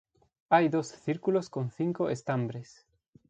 Hay dos círculos con cinco estambres.